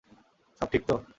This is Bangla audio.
সব ঠিক তো?